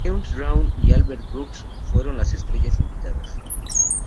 James Brown y Albert Brooks fueron las estrellas invitadas.